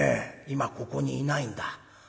今ここにいないんだ。